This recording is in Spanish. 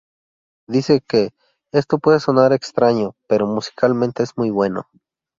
Dice que "esto puede sonar extraño, pero musicalmente es muy bueno".